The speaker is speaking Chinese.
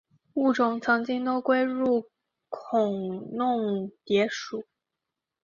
物种曾经都归入孔弄蝶属。